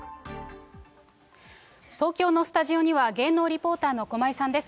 東京のスタジオには、芸能リポーターの駒井さんです。